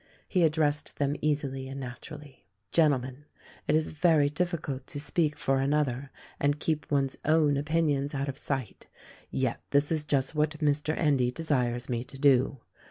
He addressed them easily and naturally: "Gentlemen, it is very difficult to speak for another and keep one's own opinions out of sight, yet this is just what Mr. Endy desires me to do.